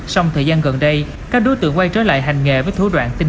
xong thời gian gần đây các đối tượng quay trở lại hành nghề với thủ đoạn tinh